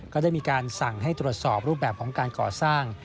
ก็ได้มีการสั่งให้ตรวจสอบรูปแบบของการก่อสร้าง